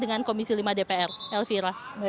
dengan komisi lima dpr elvira